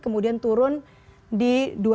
kemudian turun di dua ribu dua puluh